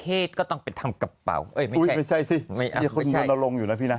เอามากินหรือ